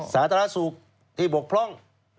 สาธารณสุขที่บกพร่อง